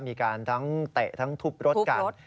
มีการทั้งเตะทั้งทุบรถกัน